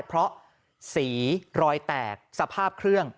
เพราะสีรอยแตกสภาพเครื่อง